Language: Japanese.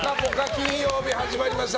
金曜日始まりました。